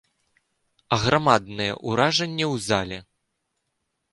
Аграмаднае ўражанне ў зале.